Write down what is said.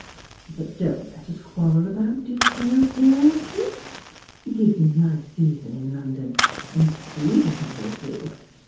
But don't let us quarrel about details, dear auntie. Give me my season in London, and see what I will do.